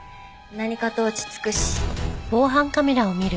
何かと落ち着くし。